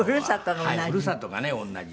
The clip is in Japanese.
ふるさとが同じ。